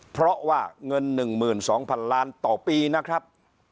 เพราะว่าเงินหนึ่งหมื่นสองพันล้านต่อปีนะครับ